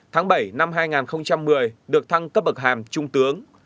tháng bảy năm hai nghìn một mươi được thăng cấp bậc hàm trung tướng